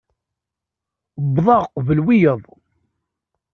Wwḍeɣ uqbel wiyaḍ.